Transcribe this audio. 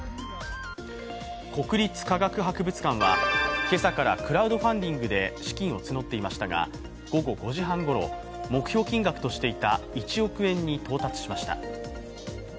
国立科学博物館は、今朝からクラウドファンディングで資金を募っていましたが、午後５時半ごろ、目標金額としていた１億円に到達しました。